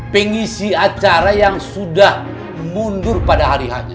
pengisi acara yang sudah mundur pada hari ini